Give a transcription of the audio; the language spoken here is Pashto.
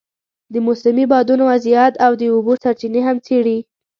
د موسمي بادونو وضعیت او د اوبو سرچینې هم څېړي.